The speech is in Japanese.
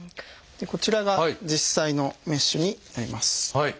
こちらが実際のメッシュになります。